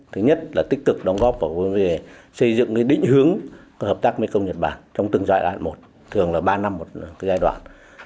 thứ nhất là tích cực đóng góp và xây dựng đích hướng hợp tác mekong nhật bản trong từng giai đoạn một thường là ba năm một giai đoạn